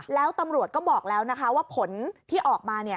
แล้วตำรวจก็บอกแล้วนะคะว่าผลที่ออกมา